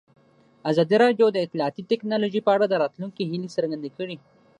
ازادي راډیو د اطلاعاتی تکنالوژي په اړه د راتلونکي هیلې څرګندې کړې.